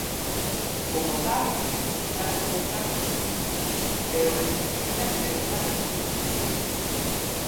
Como tales, están conectadas entre si, pero representan realidades múltiples.